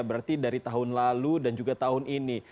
berarti dari tahun lalu dan juga tahun ini